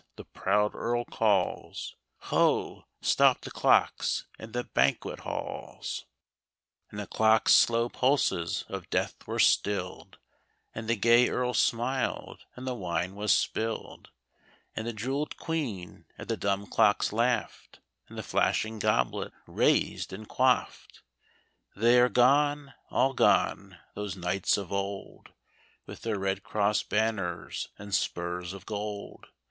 " the proud earl calls ;" Ho ! Stop the clocks in the banquet halls !" 8o THE CLOCKS OF KENILWORTH. And the clocks' slow pulses of death were stilled, And the gay earl smiled, and the wine was spilled, And the jeweled Queen at the dumb clocks laughed. And the flashing goblet raised and quaffed. They are gone, all gone, those knights of old. With their red cross banners and spurs of gold.